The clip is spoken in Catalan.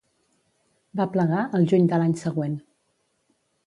Va plegar el juny de l'any següent.